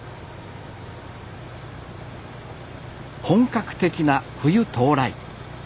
本格的な冬到来。